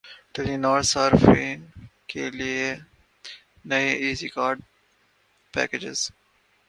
ٹیلی نار صارفین کے لیے نئے ایزی کارڈ پیکجز